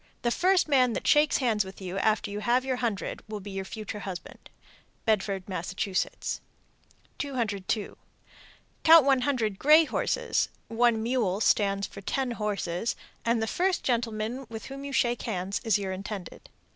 The first man that shakes hands with you after you have your hundred will be your future husband. Bedford, Mass. 202. Count one hundred gray horses (one mule stands for ten horses), and the first gentleman with whom you shake hands is your intended.